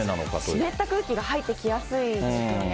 湿った空気が入ってきやすいんですよね。